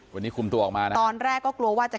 วันนี้คุมตัวออกมานะตอนแรกก็กลัวว่าจะ